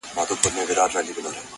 هغه زما خبري پټي ساتي”